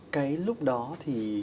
cái lúc đó thì